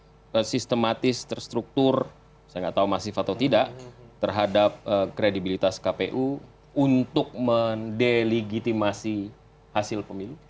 secara sistematis terstruktur saya nggak tahu masif atau tidak terhadap kredibilitas kpu untuk mendelegitimasi hasil pemilu